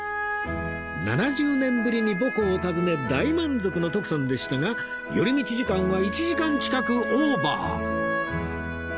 ７０年ぶりに母校を訪ね大満足の徳さんでしたが寄り道時間は１時間近くオーバー